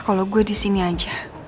kalo gue disini aja